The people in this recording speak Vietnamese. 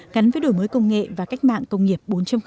gắn với đổi mới công nghệ và cách mạng công nghiệp bốn